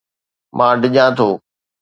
مان ڊڄان ٿو